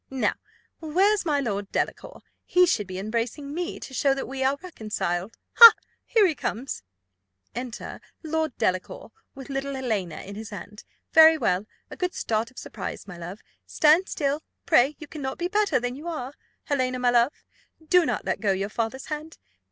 Now, where's my Lord Delacour? he should be embracing me, to show that we are reconciled. Ha! here he comes Enter Lord Delacour, with little Helena in his hand very well! a good start of surprise, my love stand still, pray; you cannot be better than you are: Helena, my love, do not let go your father's hand.